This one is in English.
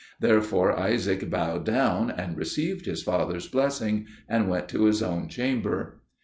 Therefore Isaac bowed down and received his father's blessing, and went to his own chamber.